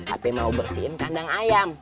tapi mau bersihin kandang ayam